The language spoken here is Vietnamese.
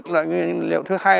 loại nguyên liệu thứ hai